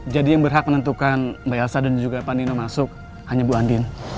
jadi yang berhak menentukan mbak elsa dan juga pak nino masuk hanya bu andin